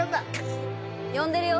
呼んでるよ。